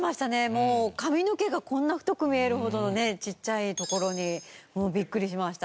もう髪の毛がこんな太く見えるほどのねちっちゃいところにビックリしました。